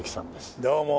どうも。